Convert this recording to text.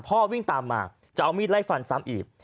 วิ่งตามมาจะเอามีดไล่ฟันซ้ำอีก